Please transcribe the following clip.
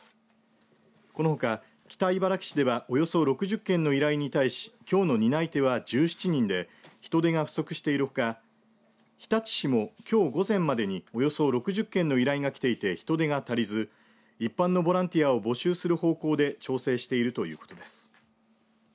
このほか北茨城市ではおよそ６０件の依頼に対しきょうの担い手は１７人で人手が不足しているほか日立市もきょう午前までにおよそ６０件の依頼が来ていて人手が足りず一般のボランティアを募集する方向で調整しているということです。